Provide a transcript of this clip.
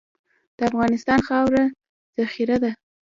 د افغانستان خاوره زرخیزه ده.